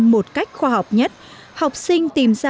một cách khoa học nhất học sinh tìm ra